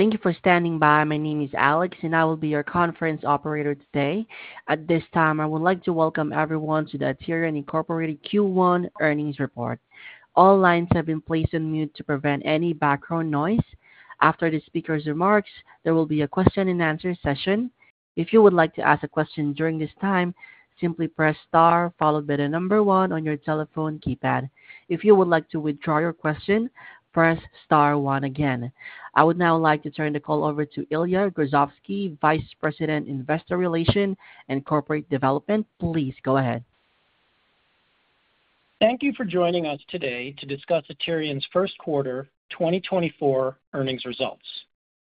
Thank you for standing by. My name is Alex, and I will be your conference operator today. At this time, I would like to welcome everyone to the Aterian Incorporated Q1 earnings report. All lines have been placed on mute to prevent any background noise. After the speaker's remarks, there will be a question-and-answer session. If you would like to ask a question during this time, simply press star followed by the number one on your telephone keypad. If you would like to withdraw your question, press star one again. I would now like to turn the call over to Ilya Grozovsky, Vice President, Investor Relations and Corporate Development. Please go ahead. Thank you for joining us today to discuss Aterian's first quarter 2024 earnings results.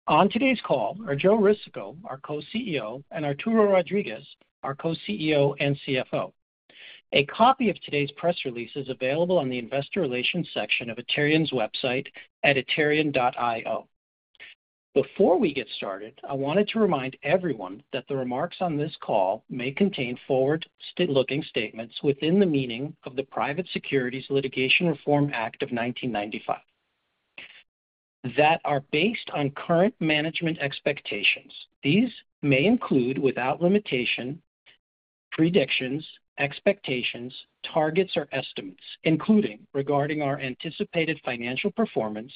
On today's call are Joe Risico, our Co-CEO, and Arturo Rodriguez, our Co-CEO and CFO. A copy of today's press release is available on the investor relations section of Aterian's website at aterian.io. Before we get started, I wanted to remind everyone that the remarks on this call may contain forward-looking statements within the meaning of the Private Securities Litigation Reform Act of 1995, that are based on current management expectations. These may include, without limitation, predictions, expectations, targets, or estimates, including regarding our anticipated financial performance,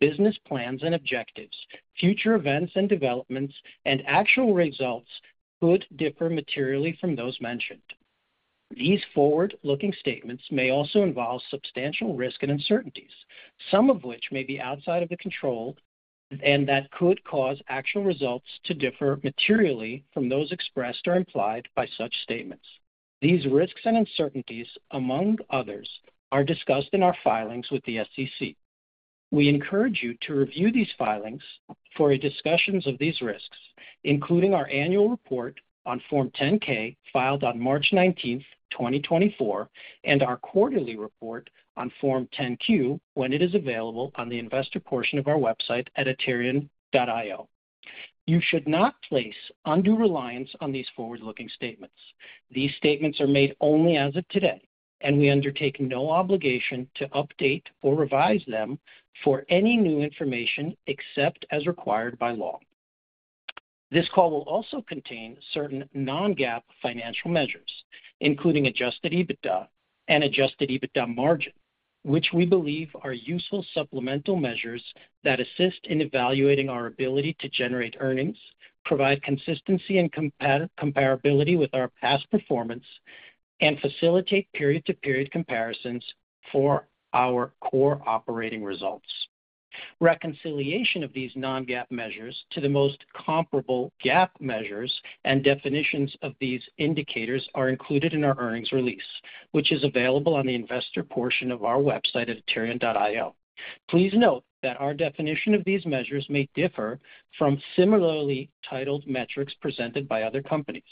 business plans and objectives. Future events and developments and actual results could differ materially from those mentioned. These forward-looking statements may also involve substantial risks and uncertainties, some of which may be outside of the control and that could cause actual results to differ materially from those expressed or implied by such statements. These risks and uncertainties, among others, are discussed in our filings with the SEC. We encourage you to review these filings for a discussion of these risks, including our annual report on Form 10-K, filed on March 19, 2024, and our quarterly report on Form 10-Q, when it is available on the investor portion of our website at aterian.io. You should not place undue reliance on these forward-looking statements. These statements are made only as of today, and we undertake no obligation to update or revise them for any new information, except as required by law. This call will also contain certain non-GAAP financial measures, including Adjusted EBITDA and Adjusted EBITDA margin, which we believe are useful supplemental measures that assist in evaluating our ability to generate earnings, provide consistency and comparability with our past performance, and facilitate period-to-period comparisons for our core operating results. Reconciliation of these non-GAAP measures to the most comparable GAAP measures and definitions of these indicators are included in our earnings release, which is available on the investor portion of our website at aterian.io. Please note that our definition of these measures may differ from similarly titled metrics presented by other companies.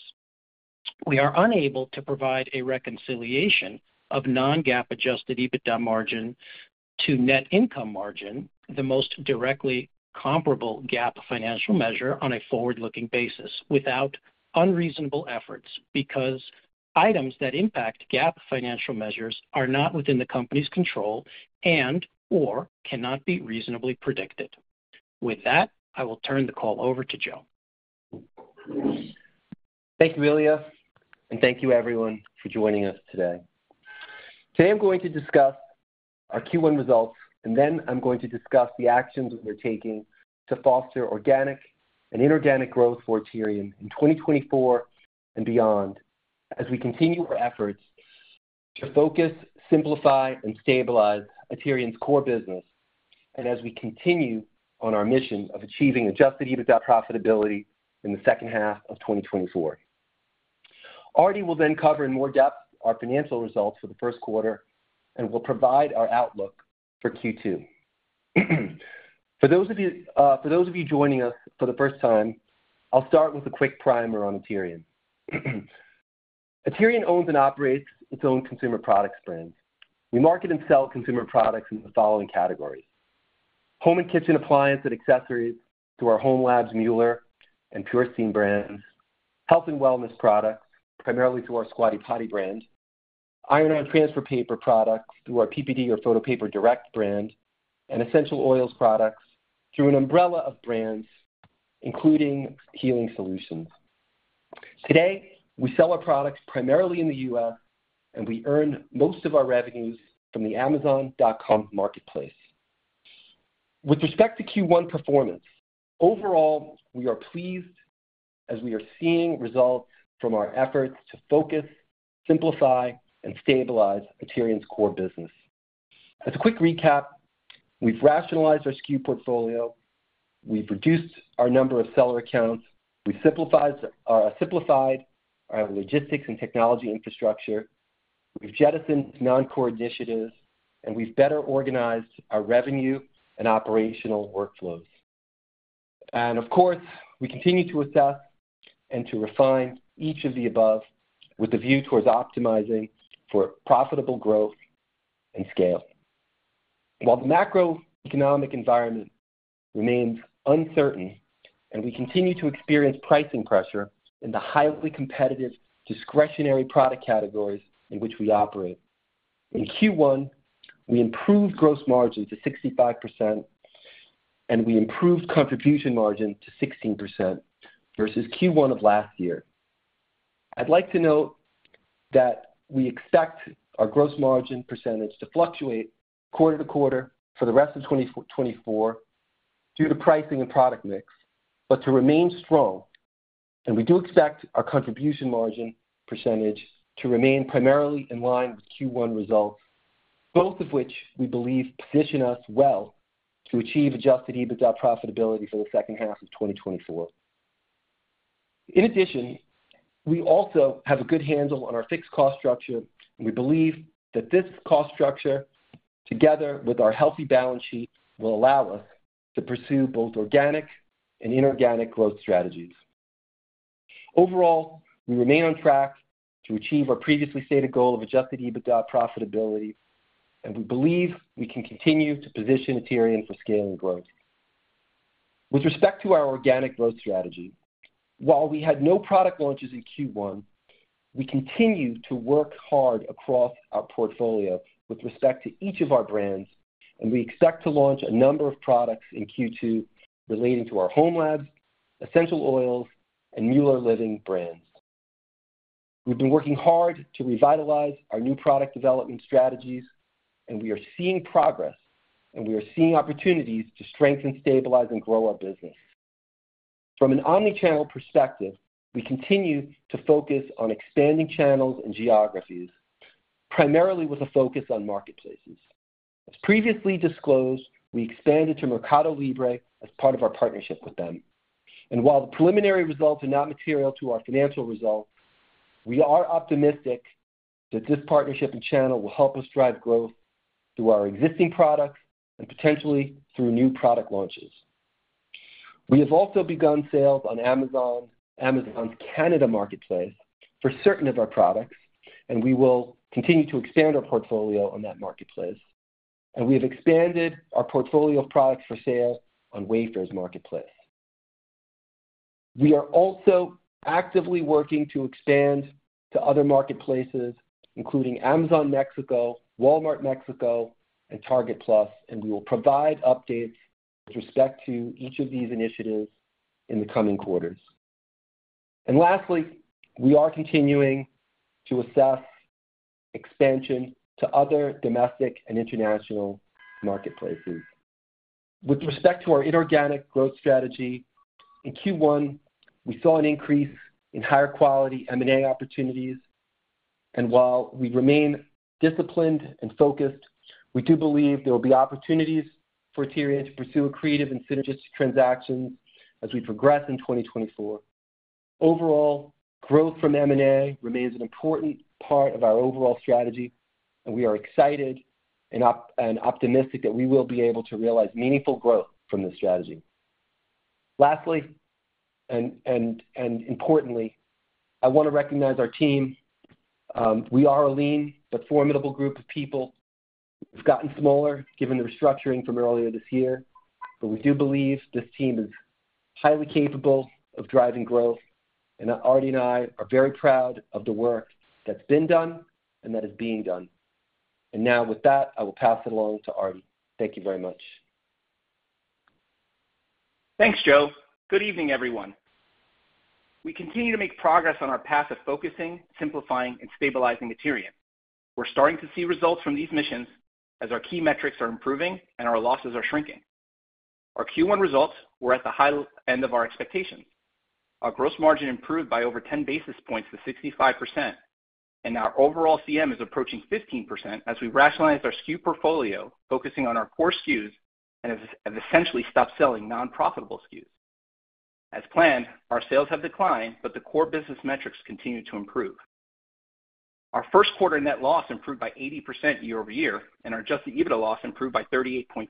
We are unable to provide a reconciliation of non-GAAP Adjusted EBITDA margin to net income margin, the most directly comparable GAAP financial measure on a forward-looking basis, without unreasonable efforts, because items that impact GAAP financial measures are not within the company's control and/or cannot be reasonably predicted. With that, I will turn the call over to Joe. Thank you, Ilya, and thank you everyone for joining us today. Today, I'm going to discuss our Q1 results, and then I'm going to discuss the actions that we're taking to foster organic and inorganic growth for Aterian in 2024 and beyond, as we continue our efforts to focus, simplify, and stabilize Aterian's core business, and as we continue on our mission of achieving Adjusted EBITDA profitability in the second half of 2024. Aterian will then cover in more depth our financial results for the first quarter and will provide our outlook for Q2. For those of you joining us for the first time, I'll start with a quick primer on Aterian. Aterian owns and operates its own consumer products brand. We market and sell consumer products in the following categories: home and kitchen appliance and accessories to our hOmeLabs, Mueller, and PurSteam brands; health and wellness products, primarily through our Squatty Potty brand; iron-on transfer paper products through our PPD or Photo Paper Direct brand; and essential oils products through an umbrella of brands, including Healing Solutions. Today, we sell our products primarily in the U.S., and we earn most of our revenues from the Amazon.com marketplace. With respect to Q1 performance, overall, we are pleased as we are seeing results from our efforts to focus, simplify, and stabilize Aterian's core business. As a quick recap, we've rationalized our SKU portfolio, we've reduced our number of seller accounts, we've simplified our logistics and technology infrastructure, we've jettisoned non-core initiatives, and we've better organized our revenue and operational workflows. Of course, we continue to assess and to refine each of the above with a view towards optimizing for profitable growth and scale. While the macroeconomic environment remains uncertain and we continue to experience pricing pressure in the highly competitive discretionary product categories in which we operate. In Q1, we improved gross margin to 65%, and we improved contribution margin to 16% versus Q1 of last year. I'd like to note that we expect our gross margin percentage to fluctuate quarter to quarter for the rest of 2024 due to pricing and product mix, but to remain strong, and we do expect our contribution margin percentage to remain primarily in line with Q1 results, both of which we believe position us well to achieve Adjusted EBITDA profitability for the second half of 2024. In addition, we also have a good handle on our fixed cost structure, and we believe that this cost structure, together with our healthy balance sheet, will allow us to pursue both organic and inorganic growth strategies. Overall, we remain on track to achieve our previously stated goal of Adjusted EBITDA profitability, and we believe we can continue to position Aterian for scaling growth. With respect to our organic growth strategy, while we had no product launches in Q1, we continued to work hard across our portfolio with respect to each of our brands, and we expect to launch a number of products in Q2 relating to our hOmeLabs, essential oils, and Mueller Living brands. We've been working hard to revitalize our new product development strategies, and we are seeing progress, and we are seeing opportunities to strengthen, stabilize, and grow our business. From an omni-channel perspective, we continue to focus on expanding channels and geographies, primarily with a focus on marketplaces. As previously disclosed, we expanded to MercadoLibre as part of our partnership with them, and while the preliminary results are not material to our financial results, we are optimistic that this partnership and channel will help us drive growth through our existing products and potentially through new product launches. We have also begun sales on Amazon, Amazon's Canada marketplace for certain of our products, and we will continue to expand our portfolio on that marketplace, and we have expanded our portfolio of products for sale on Wayfair's marketplace. We are also actively working to expand to other marketplaces, including Amazon Mexico, Walmart Mexico, and Target Plus, and we will provide updates with respect to each of these initiatives in the coming quarters. And lastly, we are continuing to assess expansion to other domestic and international marketplaces. With respect to our inorganic growth strategy, in Q1, we saw an increase in higher quality M&A opportunities, and while we remain disciplined and focused, we do believe there will be opportunities for Aterian to pursue creative and synergistic transactions as we progress in 2024. Overall, growth from M&A remains an important part of our overall strategy, and we are excited and optimistic that we will be able to realize meaningful growth from this strategy. Lastly, importantly, I want to recognize our team. We are a lean but formidable group of people. It's gotten smaller given the restructuring from earlier this year, but we do believe this team is highly capable of driving growth, and Artie and I are very proud of the work that's been done and that is being done. Now with that, I will pass it along to Artie. Thank you very much. Thanks, Joe. Good evening, everyone. We continue to make progress on our path of focusing, simplifying, and stabilizing Aterian. We're starting to see results from these missions as our key metrics are improving and our losses are shrinking. Our Q1 results were at the high end of our expectations. Our gross margin improved by over 10 basis points to 65%, and our overall CM is approaching 15% as we rationalize our SKU portfolio, focusing on our core SKUs and have essentially stopped selling non-profitable SKUs. As planned, our sales have declined, but the core business metrics continue to improve. Our first quarter net loss improved by 80% year-over-year, and our Adjusted EBITDA loss improved by 38.4%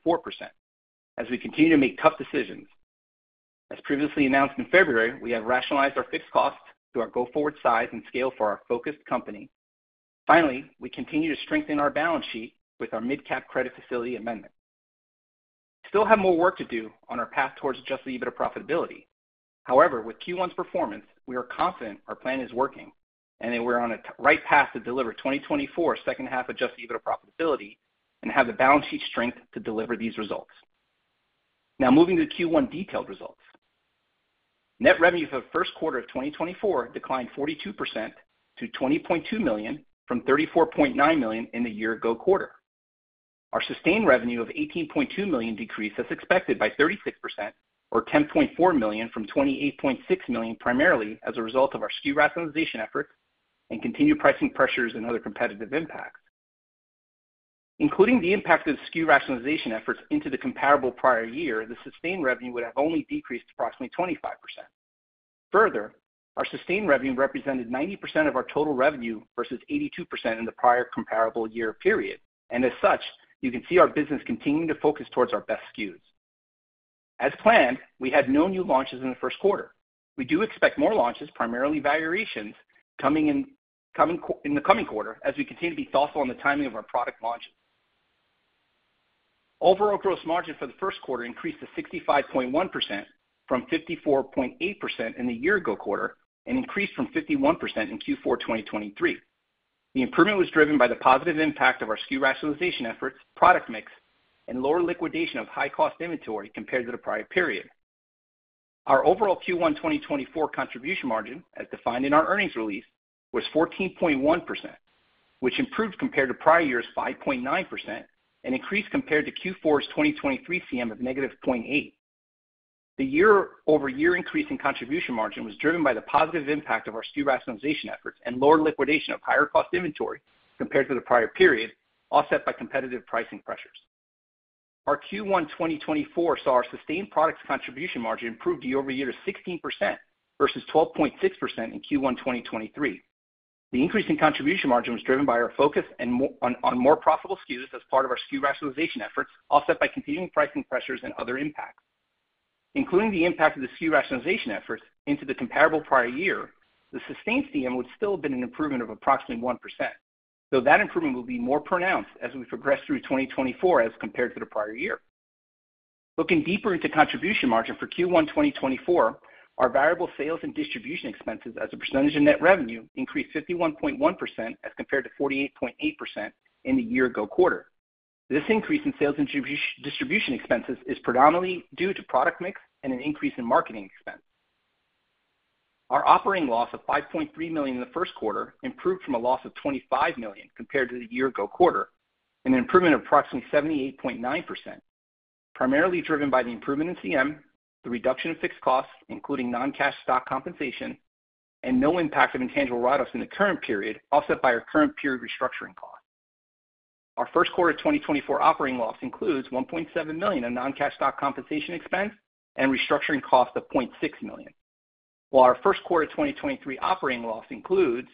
as we continue to make tough decisions. As previously announced in February, we have rationalized our fixed costs to our go-forward size and scale for our focused company. Finally, we continue to strengthen our balance sheet with our MidCap Credit Facility amendment. Still have more work to do on our path towards Adjusted EBITDA profitability. However, with Q1's performance, we are confident our plan is working and that we're on the right path to deliver 2024 second-half Adjusted EBITDA profitability and have the balance sheet strength to deliver these results. Now moving to Q1 detailed results. Net revenue for the first quarter of 2024 declined 42% to $20.2 million from $34.9 million in the year-ago quarter. Our sustained revenue of $18.2 million decreased as expected by 36%, or $10.4 million from $28.6 million, primarily as a result of our SKU rationalization efforts and continued pricing pressures and other competitive impacts. Including the impact of the SKU rationalization efforts into the comparable prior year, the sustained revenue would have only decreased approximately 25%. Further, our sustained revenue represented 90% of our total revenue versus 82% in the prior comparable year period, and as such, you can see our business continuing to focus towards our best SKUs. As planned, we had no new launches in the first quarter. We do expect more launches, primarily variations, coming in the coming quarter as we continue to be thoughtful on the timing of our product launches.... Overall gross margin for the first quarter increased to 65.1% from 54.8% in the year ago quarter and increased from 51% in Q4 2023. The improvement was driven by the positive impact of our SKU rationalization efforts, product mix, and lower liquidation of high-cost inventory compared to the prior period. Our overall Q1 2024 contribution margin, as defined in our earnings release, was 14.1%, which improved compared to prior year's 5.9% and increased compared to Q4 2023 CM of -0.8. The year-over-year increase in contribution margin was driven by the positive impact of our SKU rationalization efforts and lower liquidation of higher-cost inventory compared to the prior period, offset by competitive pricing pressures. Our Q1 2024 saw our sustained products contribution margin improve year-over-year to 16% versus 12.6% in Q1 2023. The increase in contribution margin was driven by our focus on more profitable SKUs as part of our SKU rationalization efforts, offset by competitive pricing pressures and other impacts. Including the impact of the SKU rationalization efforts into the comparable prior year, the sustained CM would still have been an improvement of approximately 1%, so that improvement will be more pronounced as we progress through 2024 as compared to the prior year. Looking deeper into contribution margin for Q1 2024, our variable sales and distribution expenses as a percentage of net revenue increased 51.1% as compared to 48.8% in the year ago quarter. This increase in sales and distribution expenses is predominantly due to product mix and an increase in marketing expense. Our operating loss of $5.3 million in the first quarter improved from a loss of $25 million compared to the year ago quarter, an improvement of approximately 78.9%, primarily driven by the improvement in CM, the reduction of fixed costs, including non-cash stock compensation, and no impact of intangible write-offs in the current period, offset by our current period restructuring costs. Our first quarter of 2024 operating loss includes $1.7 million of non-cash stock compensation expense and restructuring costs of $0.6 million. While our first quarter 2023 operating loss includes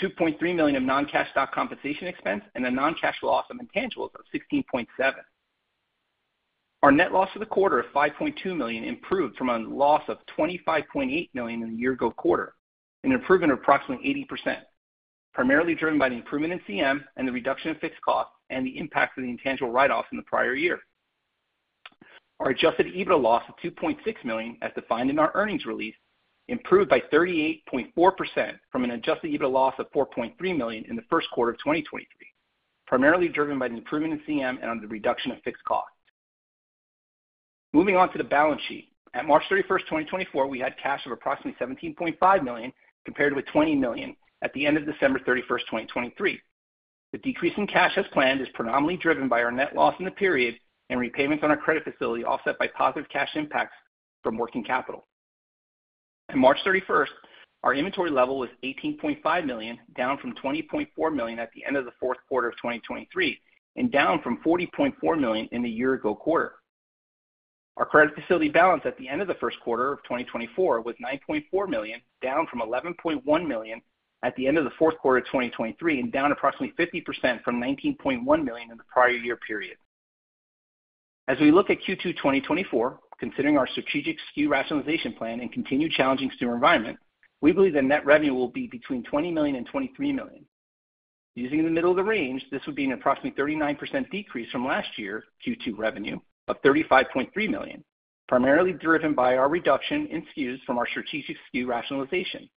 $2.3 million of non-cash stock compensation expense and a non-cash loss of intangibles of $16.7 million. Our net loss for the quarter of $5.2 million improved from a loss of $25.8 million in the year ago quarter, an improvement of approximately 80%, primarily driven by the improvement in CM and the reduction of fixed costs and the impact of the intangible write-off in the prior year. Our Adjusted EBITDA loss of $2.6 million, as defined in our earnings release, improved by 38.4% from an Adjusted EBITDA loss of $4.3 million in the first quarter of 2023, primarily driven by an improvement in CM and on the reduction of fixed costs. Moving on to the balance sheet. At March 31, 2024, we had cash of approximately $17.5 million, compared with $20 million at the end of December 31, 2023. The decrease in cash as planned is predominantly driven by our net loss in the period and repayments on our credit facility, offset by positive cash impacts from working capital. On March 31, our inventory level was $18.5 million, down from $20.4 million at the end of the fourth quarter of 2023, and down from $40.4 million in the year ago quarter. Our credit facility balance at the end of the first quarter of 2024 was $9.4 million, down from $11.1 million at the end of the fourth quarter of 2023, and down approximately 50% from $19.1 million in the prior year period. As we look at Q2 2024, considering our strategic SKU rationalization plan and continued challenging SKU environment, we believe that net revenue will be between $20 million and $23 million. Using the middle of the range, this would be an approximately 39% decrease from last year Q2 revenue of $35.3 million, primarily driven by our reduction in SKUs from our strategic SKU rationalization.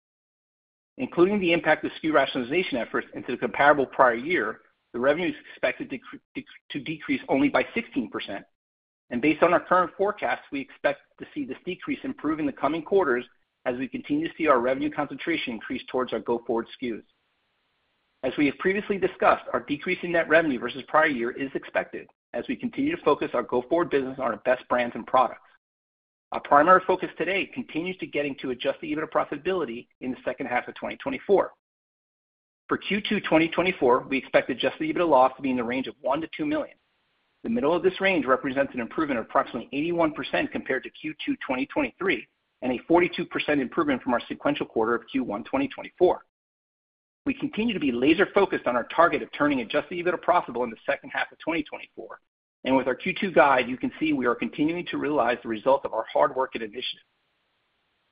Including the impact of SKU rationalization efforts into the comparable prior year, the revenue is expected to decrease only by 16%, and based on our current forecast, we expect to see this decrease improve in the coming quarters as we continue to see our revenue concentration increase towards our go-forward SKUs. As we have previously discussed, our decrease in net revenue versus prior year is expected as we continue to focus our go-forward business on our best brands and products. Our primary focus today continues to getting to Adjusted EBITDA profitability in the second half of 2024. For Q2 2024, we expect Adjusted EBITDA loss to be in the range of $1 million-$2 million. The middle of this range represents an improvement of approximately 81% compared to Q2 2023, and a 42% improvement from our sequential quarter of Q1 2024. We continue to be laser focused on our target of turning Adjusted EBITDA profitable in the second half of 2024, and with our Q2 guide, you can see we are continuing to realize the results of our hard work and initiative.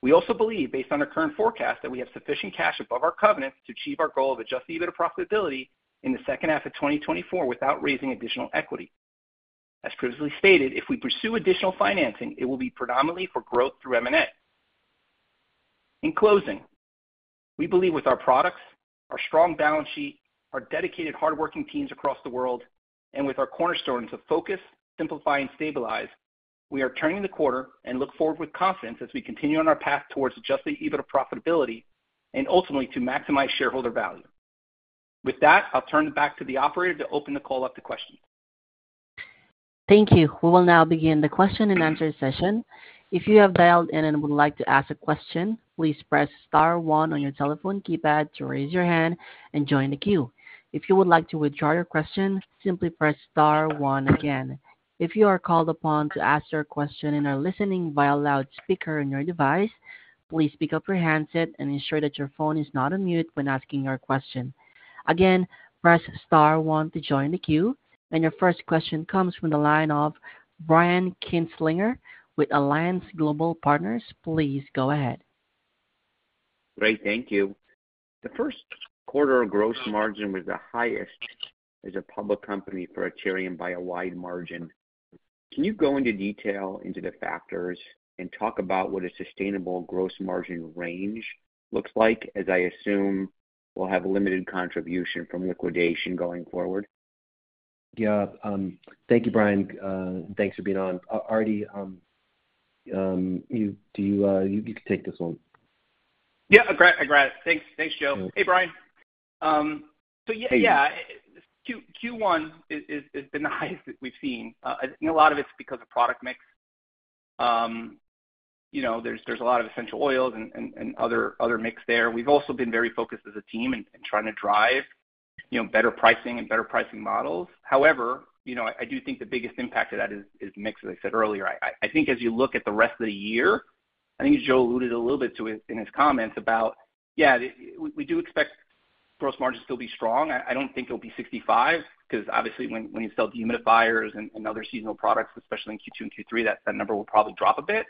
We also believe, based on our current forecast, that we have sufficient cash above our covenants to achieve our goal of Adjusted EBITDA profitability in the second half of 2024 without raising additional equity. As previously stated, if we pursue additional financing, it will be predominantly for growth through M&A. In closing, we believe with our products, our strong balance sheet, our dedicated hardworking teams across the world, and with our cornerstones of focus, simplify, and stabilize, we are turning the quarter and look forward with confidence as we continue on our path towards Adjusted EBITDA profitability and ultimately to maximize shareholder value. With that, I'll turn it back to the operator to open the call up to questions. Thank you. We will now begin the question and answer session. If you have dialed in and would like to ask a question, please press star one on your telephone keypad to raise your hand and join the queue. If you would like to withdraw your question, simply press star one again. If you are called upon to ask your question and are listening via loudspeaker on your device, please pick up your handset and ensure that your phone is not on mute when asking your question. Again, press star one to join the queue, and your first question comes from the line of Brian Kinstlinger with Alliance Global Partners. Please go ahead. Great. Thank you. The first quarter gross margin was the highest as a public company for Aterian by a wide margin. Can you go into detail into the factors and talk about what a sustainable gross margin range looks like, as I assume will have limited contribution from liquidation going forward? Yeah. Thank you, Brian. Thanks for being on. Artie, you can take this one. Yeah, I grab it. Thanks. Thanks, Joe. Hey, Brian. So yeah, Q1 is the highest that we've seen. And a lot of it's because of product mix. You know, there's a lot of essential oils and other mix there. We've also been very focused as a team in trying to drive better pricing and better pricing models. However, you know, I do think the biggest impact of that is mix, as I said earlier. I think as you look at the rest of the year, I think Joe alluded a little bit to it in his comments about, yeah, the, we do expect gross margin to still be strong. I don't think it'll be 65, 'cause obviously, when you sell dehumidifiers and other seasonal products, especially in Q2 and Q3, that number will probably drop a bit.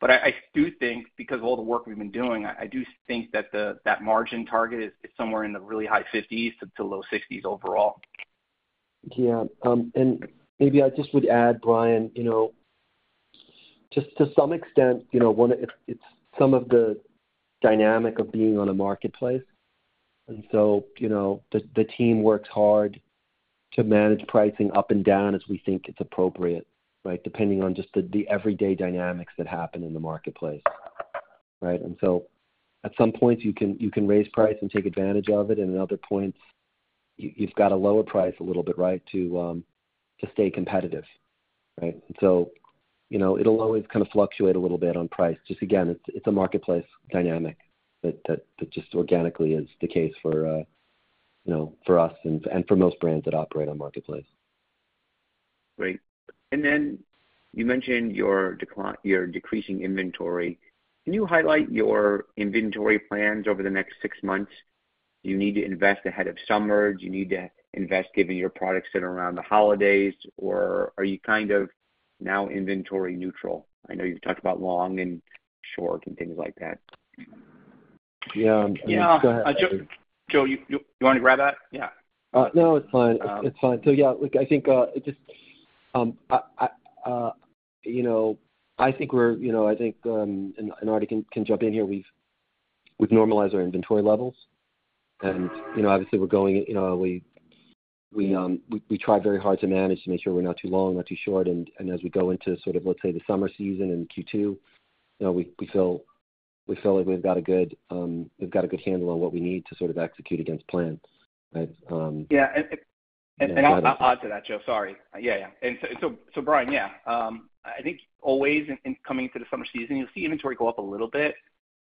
But I do think because of all the work we've been doing, I do think that the margin target is somewhere in the really high fifties to low sixties overall. Yeah. And maybe I just would add, Brian, you know, just to some extent, you know, one, it's, it's some of the dynamic of being on a marketplace, and so, you know, the, the team works hard to manage pricing up and down as we think it's appropriate, right? Depending on just the, the everyday dynamics that happen in the marketplace, right? And so at some points you can, you can raise price and take advantage of it, and in other points, you, you've got to lower price a little bit, right, to, to stay competitive, right? So, you know, it'll always kind of fluctuate a little bit on price. Just again, it's, it's a marketplace dynamic that, that, that just organically is the case for, you know, for us and, and for most brands that operate on marketplace. Great. Then you mentioned your decreasing inventory. Can you highlight your inventory plans over the next six months? Do you need to invest ahead of summer? Do you need to invest given your products sit around the holidays, or are you kind of now inventory neutral? I know you've talked about long and short and things like that. Yeah. Yeah. Go ahead. Joe, you wanna grab that? Yeah. No, it's fine. Um- It's fine. So yeah, look, I think it just, you know, I think we're, you know, I think, and Artie can jump in here. We've normalized our inventory levels, and, you know, obviously, we're going, you know, we try very hard to manage to make sure we're not too long or too short. And as we go into sort of, let's say, the summer season in Q2, you know, we feel like we've got a good handle on what we need to sort of execute against plans, right? Yeah, I'll add to that, Joe. Sorry. Yeah. And so, Brian, yeah, I think always in coming into the summer season, you'll see inventory go up a little bit.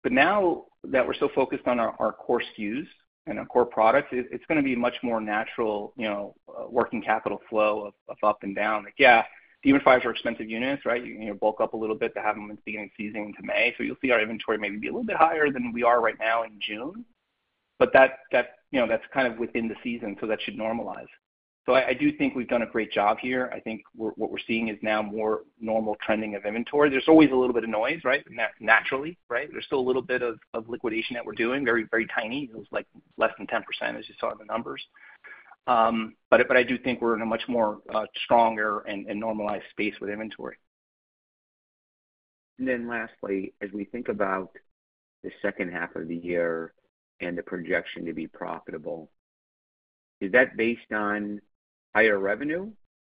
But now that we're so focused on our core SKUs and our core products, it's gonna be much more natural, you know, working capital flow of up and down. Like, yeah, dehumidifiers are expensive units, right? You know, bulk up a little bit to have them at the beginning of season into May. So you'll see our inventory maybe be a little bit higher than we are right now in June. But that, you know, that's kind of within the season, so that should normalize. So I do think we've done a great job here. I think what we're seeing is now more normal trending of inventory. There's always a little bit of noise, right? Naturally, right? There's still a little bit of liquidation that we're doing, very, very tiny. It was like less than 10%, as you saw in the numbers. But I do think we're in a much more stronger and normalized space with inventory. And then lastly, as we think about the second half of the year and the projection to be profitable, is that based on higher revenue?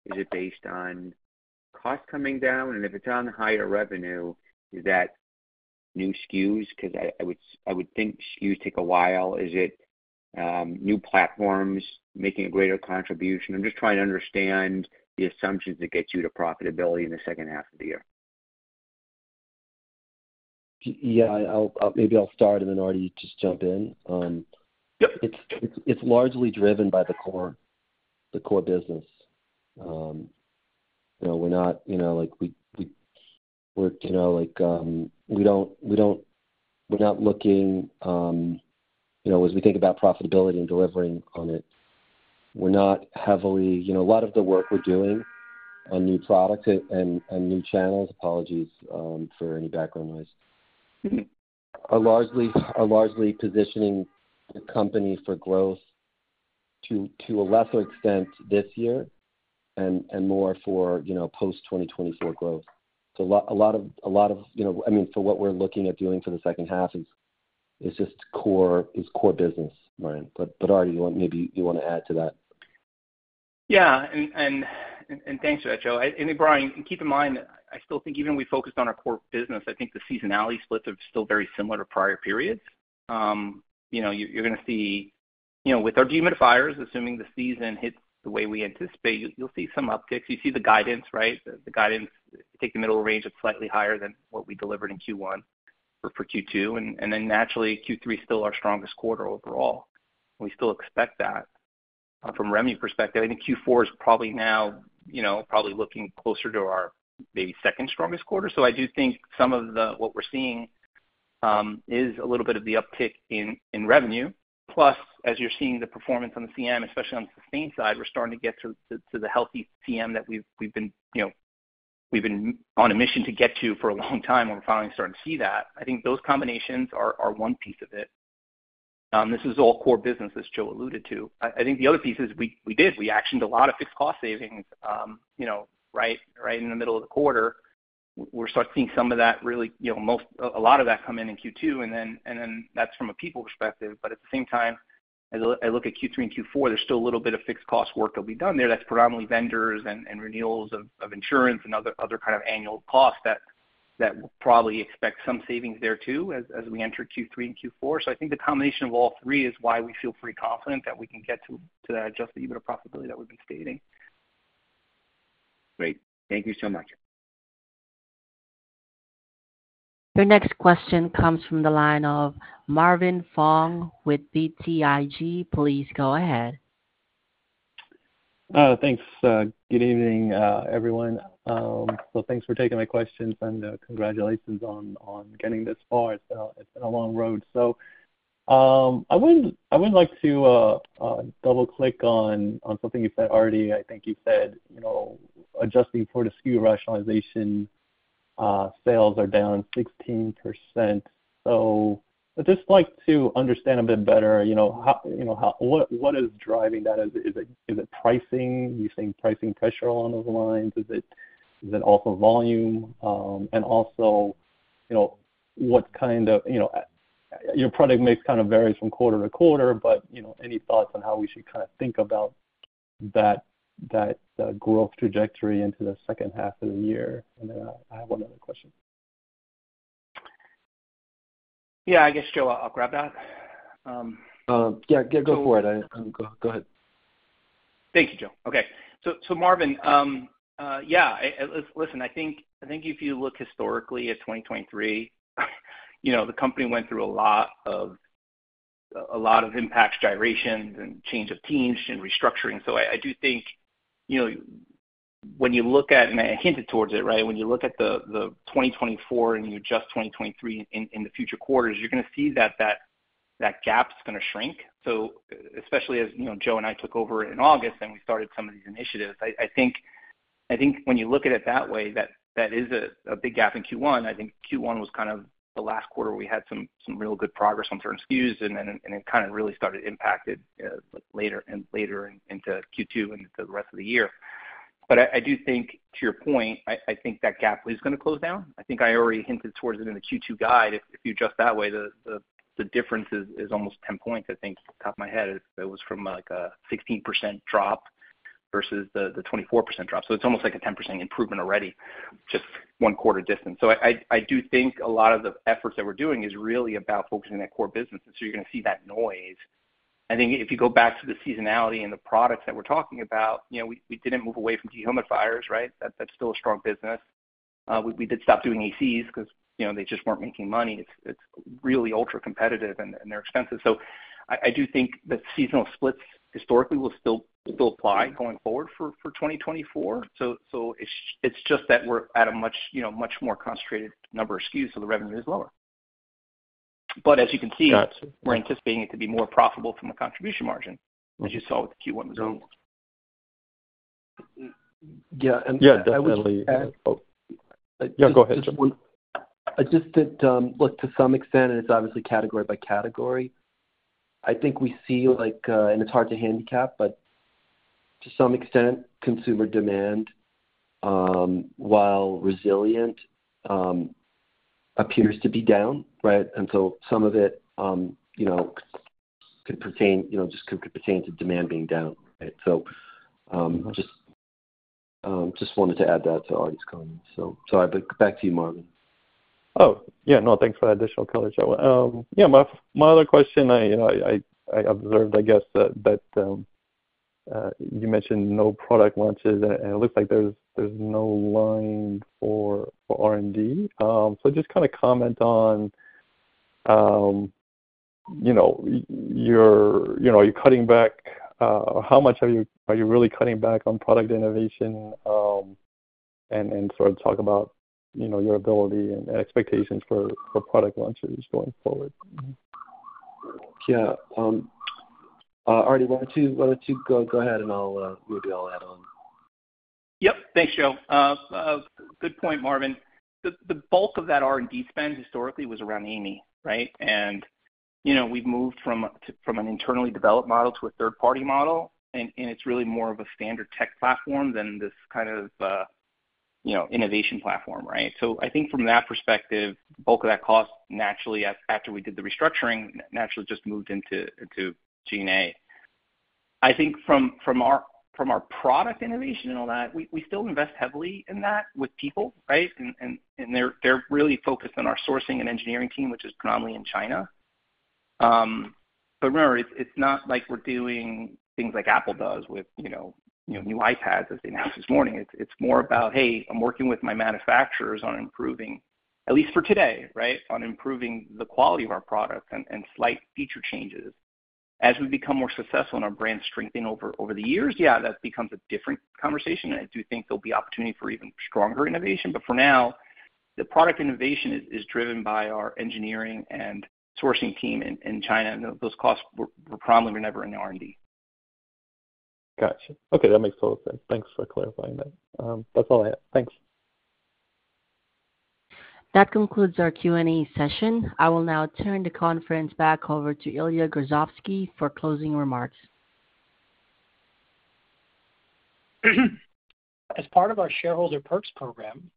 Is it based on cost coming down? And if it's on higher revenue, is that new SKUs? 'Cause I, I would, I would think SKUs take a while. Is it, new platforms making a greater contribution? I'm just trying to understand the assumptions that get you to profitability in the second half of the year. Yeah, maybe I'll start, and then, Artie, just jump in. Yep. It's largely driven by the core business. You know, we're not, you know, like, we're not looking, you know, as we think about profitability and delivering on it, we're not heavily. You know, a lot of the work we're doing on new product and new channels, apologies for any background noise, are largely positioning the company for growth to a lesser extent this year and more for, you know, post-2024 growth. So a lot of, you know, I mean, for what we're looking at doing for the second half is just core business, Brian. But Artie, maybe you want to add to that. Yeah, and thanks for that, Joe. And Brian, keep in mind, I still think even we focused on our core business, I think the seasonality splits are still very similar to prior periods. You know, you're gonna see, you know, with our dehumidifiers, assuming the season hits the way we anticipate, you'll see some upticks. You see the guidance, right? The guidance, take the middle range, it's slightly higher than what we delivered in Q1 or for Q2. And then naturally, Q3 is still our strongest quarter overall. We still expect that. From revenue perspective, I think Q4 is probably now, you know, probably looking closer to our maybe second strongest quarter. So I do think some of the, what we're seeing, is a little bit of the uptick in revenue. Plus, as you're seeing the performance on the CM, especially on the sustain side, we're starting to get to the healthy CM that we've been, you know, on a mission to get to for a long time, and we're finally starting to see that. I think those combinations are one piece of it. This is all core business, as Joe alluded to. I think the other piece is we actioned a lot of fixed cost savings, you know, right in the middle of the quarter. We'll start seeing some of that really, you know, a lot of that come in in Q2, and then that's from a people perspective. But at the same time, as I look at Q3 and Q4, there's still a little bit of fixed cost work that'll be done there. That's predominantly vendors and renewals of insurance and other kind of annual costs that we'll probably expect some savings there too as we enter Q3 and Q4. So I think the combination of all three is why we feel pretty confident that we can get to that Adjusted EBITDA profitability that we've been stating. Great. Thank you so much. Your next question comes from the line of Marvin Fong with BTIG. Please go ahead. Thanks. Good evening, everyone. So thanks for taking my questions, and congratulations on getting this far. It's been a long road. So I would like to double-click on something you said already. I think you said, you know, adjusting for the SKU rationalization, sales are down 16%. So I'd just like to understand a bit better, you know, how, you know, how -- what is driving that? Is it pricing? Do you think pricing pressure along those lines? Is it also volume? And also, you know, what kind of. You know, your product mix kind of varies from quarter to quarter, but you know, any thoughts on how we should kind of think about that growth trajectory into the second half of the year? I have one other question. Yeah, I guess, Joe, I'll grab that. Yeah, yeah, go for it. Go, go ahead. Thank you, Joe. Okay, so Marvin, yeah, listen, I think if you look historically at 2023, you know, the company went through a lot of impact gyrations and change of teams and restructuring. So I do think, you know, when you look at, and I hinted towards it, right? When you look at the 2024 and you adjust 2023 in the future quarters, you're gonna see that gap's gonna shrink. So especially as, you know, Joe and I took over in August, and we started some of these initiatives, I think when you look at it that way, that is a big gap in Q1. I think Q1 was kind of the last quarter we had some real good progress on certain SKUs, and then it kind of really started impacted, like, later and later into Q2 and the rest of the year. But I do think, to your point, I think that gap is gonna close down. I think I already hinted towards it in the Q2 guide. If you adjust that way, the difference is almost ten points. I think, top of my head, it was from, like, a 16% drop versus the 24% drop. So it's almost like a 10% improvement already, just one quarter distance. So I do think a lot of the efforts that we're doing is really about focusing on that core business, so you're gonna see that noise. I think if you go back to the seasonality and the products that we're talking about, you know, we didn't move away from dehumidifiers, right? That's still a strong business. We did stop doing ACs because, you know, they just weren't making money. It's really ultra-competitive, and they're expensive. So I do think that seasonal splits historically will still apply going forward for 2024. So it's just that we're at a much, you know, much more concentrated number of SKUs, so the revenue is lower. But as you can see- Got you. We're anticipating it to be more profitable from a Contribution Margin, which you saw with the Q1 as well. Yeah, and- Yeah, definitely. I would add- Yeah, go ahead, Joe. Just one. I just did look to some extent, and it's obviously category by category. I think we see like and it's hard to handicap, but to some extent, consumer demand while resilient appears to be down, right? And so some of it you know could pertain, you know, just could pertain to demand being down, right? So just just wanted to add that to Art's comment. So sorry, but back to you, Marvin. Oh, yeah. No, thanks for the additional color, Joe. Yeah, my other question I observed, I guess, that you mentioned no product launches, and it looks like there's no line for R&D. So just kind of comment on, you know, you're, you know, you're cutting back, how much are you really cutting back on product innovation? And sort of talk about, you know, your ability and expectations for product launches going forward. Yeah, Art, why don't you go ahead, and maybe I'll add on. Yep. Thanks, Joe. Good point, Marvin. The bulk of that R&D spend historically was around AIMEE, right? And, you know, we've moved from an internally developed model to a third-party model, and it's really more of a standard tech platform than this kind of, you know, innovation platform, right? So I think from that perspective, bulk of that cost naturally, after we did the restructuring, naturally just moved into G&A. I think from our product innovation and all that, we still invest heavily in that with people, right? And they're really focused on our sourcing and engineering team, which is predominantly in China. But remember, it's not like we're doing things like Apple does with, you know, new iPads, as they announced this morning. It's more about, hey, I'm working with my manufacturers on improving, at least for today, right, on improving the quality of our products and slight feature changes. As we become more successful and our brand strengthen over the years, yeah, that becomes a different conversation, and I do think there'll be opportunity for even stronger innovation. But for now, the product innovation is driven by our engineering and sourcing team in China, and those costs were primarily never in the R&D. Gotcha. Okay, that makes total sense. Thanks for clarifying that. That's all I have. Thanks. That concludes our Q and A session. I will now turn the conference back over to Ilya Grozovsky for closing remarks. As part of our Shareholder Perks Program,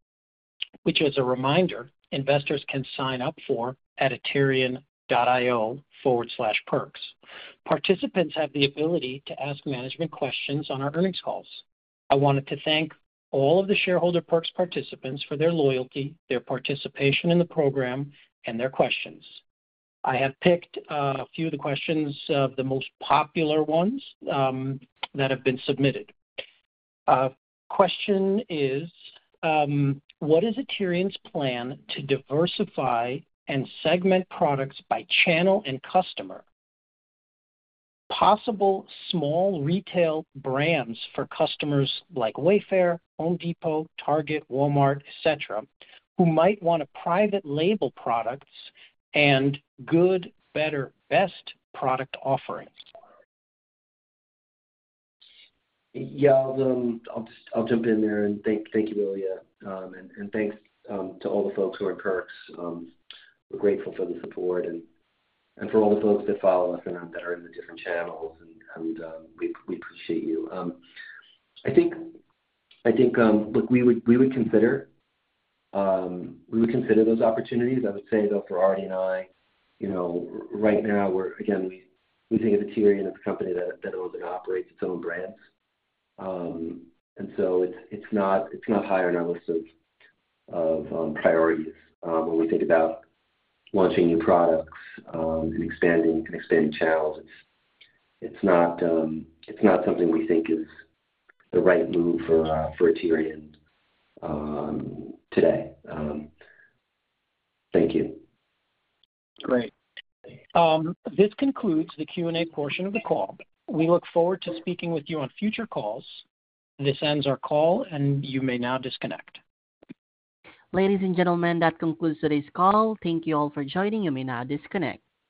which, as a reminder, investors can sign up for at Aterian.io/perks. Participants have the ability to ask management questions on our earnings calls. I wanted to thank all of the shareholder perks participants for their loyalty, their participation in the program, and their questions. I have picked a few of the questions, the most popular ones, that have been submitted. Question is, what is Aterian's plan to diversify and segment products by channel and customer? Possible small retail brands for customers like Wayfair, Home Depot, Target, Walmart, et cetera, who might want a private label products and good, better, best product offerings. Yeah, I'll just—I'll jump in there and thank you, Ilya. And thanks to all the folks who are in Perks. We're grateful for the support and for all the folks that follow us and that are in the different channels, and we appreciate you. I think, look, we would consider those opportunities. I would say, though, for Artie and I, you know, right now, we're, again, we think of Aterian as a company that owns and operates its own brands. And so it's not high on our list of priorities. When we think about launching new products and expanding channels, it's not something we think is the right move for Aterian today. Thank you. Great. This concludes the Q and A portion of the call. We look forward to speaking with you on future calls. This ends our call, and you may now disconnect. Ladies and gentlemen, that concludes today's call. Thank you all for joining. You may now disconnect.